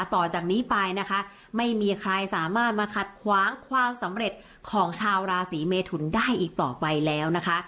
ต่อจากนี้ไปนะคะไม่มีใครสามารถมาขัดขวางความสำเร็จของชาวราศีเมทุนได้อีกต่อไปแล้วนะคะ